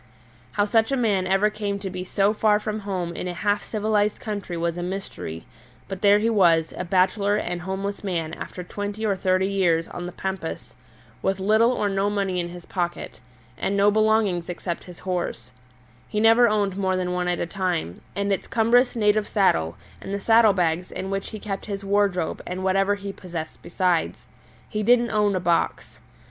How such a man ever came to be so far from home in a half civilized country was a mystery, but there he was, a bachelor and homeless man after twenty or thirty years on the pampas, with little or no money in his pocket, and no belongings except his horse he never owned more than one at a time and its cumbrous native saddle, and the saddle bags in which he kept his wardrobe and whatever he possessed besides. He didn't own a box.